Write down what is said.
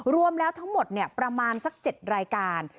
รวมแล้วทั้งหมดประมาณสัก๗รายการ